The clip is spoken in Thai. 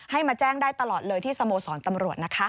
มาแจ้งได้ตลอดเลยที่สโมสรตำรวจนะคะ